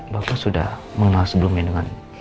bapak sudah mengenal sebelumnya dengan